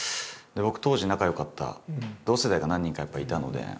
僕当時仲よかった同世代が何人かやっぱりいたので同級生が。